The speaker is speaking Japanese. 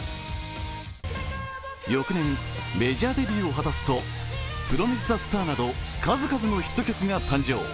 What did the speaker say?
翌年メジャーデビューを果たすと「プロミスザスター」など数々のヒット曲が誕生。